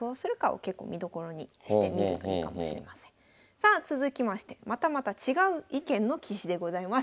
さあ続きましてまたまた違う意見の棋士でございます。